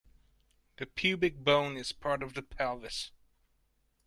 The pubic bone is part of the pelvis.